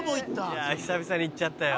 「いやあ久々にいっちゃったよ」